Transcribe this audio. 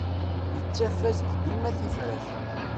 Yettaf-as-d dima tifrat.